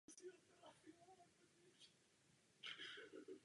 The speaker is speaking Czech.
V českých pramenech se vyskytují ještě další názvy tohoto vrchu.